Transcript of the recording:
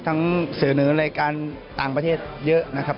เสนอรายการต่างประเทศเยอะนะครับ